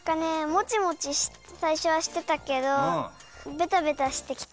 もちもちさいしょはしてたけどベタベタしてきた。